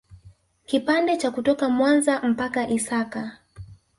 Kipande cha kutoka Mwanza mpaka Isaka